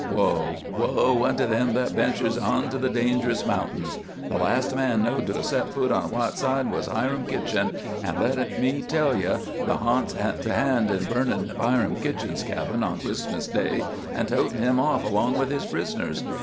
"Woe! woe! unto them that ventures onto the dangerous mountains. The last man knowed to have set foot on Whiteside was Hiram Kitchen, an' let me tell ye the harnts had a hand in burnin' Hiram Kitchen's cabin on Christmas day an' totin' him off along with his prisoners.